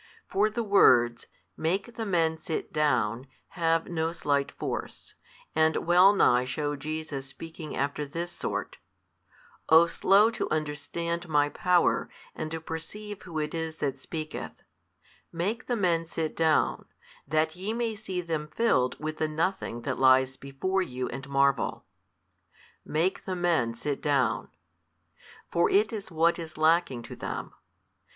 For the words Make the men sit down have no slight force, and wellnigh shew Jesus speaking after this sort, O slow to understand My Power, and to perceive Who it is that speaketh, Make the men sit down, that ye may see them filled with the nothing that lies before you and marvel. Make the men sit down. For it is what is lacking to them.